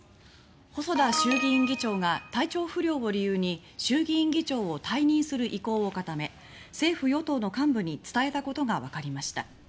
細田衆議院議長が体調不良を理由に衆議院議長を退任する意向を固め政府・与党の幹部に伝えたことがわかりました。